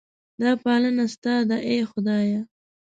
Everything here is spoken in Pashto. دا پالنه ستا ده ای خدایه.